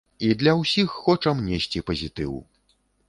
І для ўсіх хочам несці пазітыў.